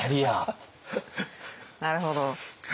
なるほど。